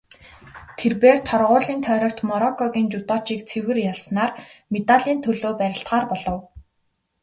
Тэр бээр торгуулийн тойрогт Мороккогийн жүдочийг цэвэр ялснаар медалийн төлөө барилдахаар болов.